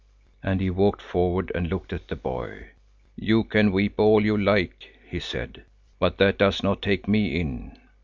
And he walked forward and looked at the boy. "You can weep all you like," he said, "but that does not take me in."